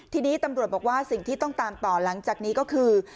ทีนี้ตำรวจบอกว่าสิ่งที่ต้องตามต่อหลังจากนี้ก็คือ